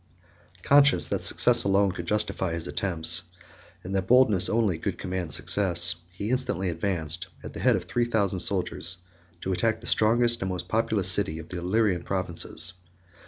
Conscious that success alone could justify his attempt, and that boldness only could command success, he instantly advanced, at the head of three thousand soldiers, to attack the strongest and most populous city of the Illyrian provinces.